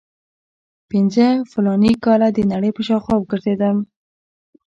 پنځه فلاني کاله د نړۍ په شاوخوا وګرځېدم.